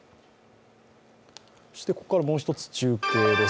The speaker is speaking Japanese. ここからはもう一つ、中継です。